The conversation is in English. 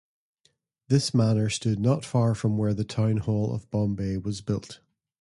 This manor stood not far from where the Town Hall of Bombay was built.